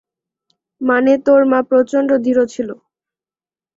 মানে তোর মা প্রচন্ড দৃঢ় ছিল।